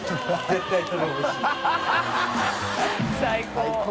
最高。